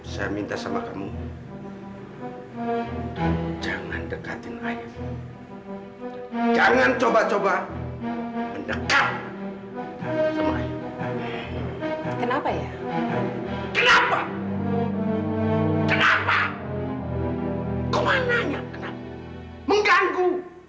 kamu tahu bu kamu tahu